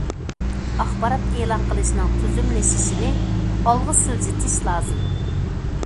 ئاخبارات ئېلان قىلىشنىڭ تۈزۈملىشىشىنى ئالغا سىلجىتىش لازىم.